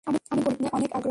আমি গণিত নিয়ে অনেক আগ্রহী।